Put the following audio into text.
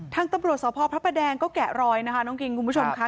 ทางตำรวจสพพระประแดงก็แกะรอยนะคะน้องคิงคุณผู้ชมค่ะ